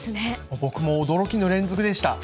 僕も驚きの連続でした。